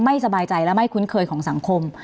สบายใจและไม่คุ้นเคยของสังคม